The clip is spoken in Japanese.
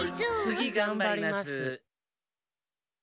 つぎがんばります。